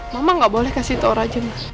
mama gak boleh kasih tau raja